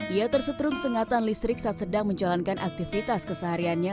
ia tersetrum sengatan listrik saat sedang menjalankan aktivitas kesehariannya